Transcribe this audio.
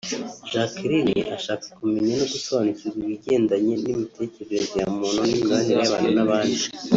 Jacqueline ashaka kumenya no gusobanukirwa ibigendanye n’imitekerereze ya muntu n’imibanire y’abantu n’abandi